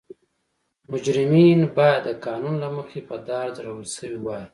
مجرمین باید د قانون له مخې په دار ځړول شوي وای.